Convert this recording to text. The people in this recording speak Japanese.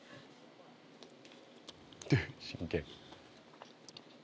真剣！